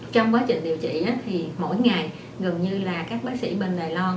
trong quá trình điều trị thì mỗi ngày gần như là các bác sĩ bên đài loan